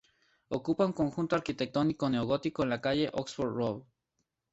Ocupa un conjunto arquitectónico neogótico en la calle "Oxford Road".